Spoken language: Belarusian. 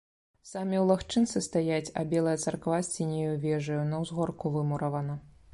Самі ў лагчынцы стаяць, а белая царква з сіняю вежаю на ўзгорку вымуравана.